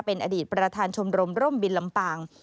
เป็นอดีตประธานชมรมร่มบินลำปาง